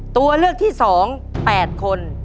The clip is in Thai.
ตัวเลือกที่๒๘คน